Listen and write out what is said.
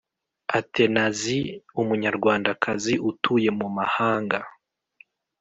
Athenasie umunyarwandakazi utuye mumahanga